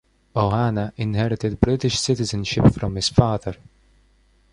Ohana inherited British citizenship from his father.